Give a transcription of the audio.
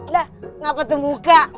lah kenapa tuh muka